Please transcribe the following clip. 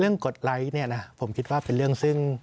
กดไลค์เนี่ยนะผมคิดว่าเป็นเรื่องซึ่ง